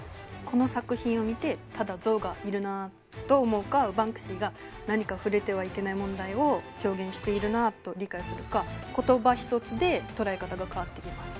この作品を見てただ象がいるなあと思うかバンクシーが何か触れてはいけない問題を表現しているなあと理解するかコトバ一つで捉え方が変わってきます。